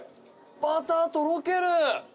バター、とろける！